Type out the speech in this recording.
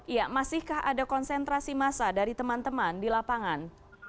iya masihkah ada konsentrasi massa dari teman teman di lapangan